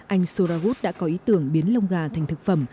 anh soravut đã có ý tưởng biến lông gà thành thực phẩm